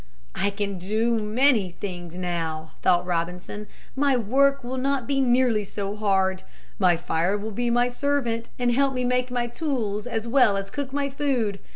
"I can do many things now," thought Robinson. "My work will not be nearly so hard. My fire will be my servant and help me make my tools as well as cook my food.